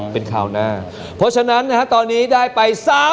เพราะฉะนั้นตอนนี้ได้ไป๓๐๐๐๐บาท